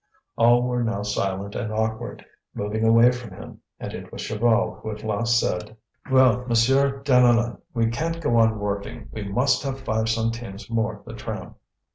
All were now silent and awkward, moving away from him; and it was Chaval who at last said: "Well, Monsieur Deneulin, we can't go on working; we must have five centimes more the tram."